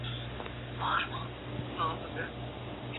La Asia ambayo ndiyo nchi yenye watu wengi kuliko zote duniani